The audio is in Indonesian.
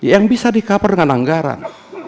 yang bisa dikapal dengan anggaran